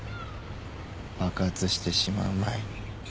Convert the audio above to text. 爆発してしまう前に。